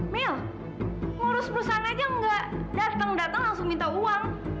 mil ngurus perusahaan aja nggak datang datang langsung minta uang